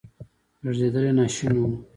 لړزیدل یې ناشوني وو.